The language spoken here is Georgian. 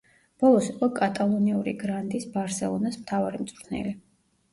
ბოლოს იყო კატალონიური გრანდის, „ბარსელონას“ მთავარი მწვრთნელი.